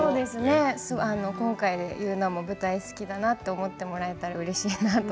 今回で舞台が好きだなと思ってもらえたらうれしいですね。